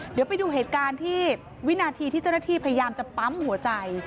เดี๋ยวไปดูเหตุการณ์ที่วินาทีที่เจ้าหน้าที่พยายามจะปั๊มหัวใจ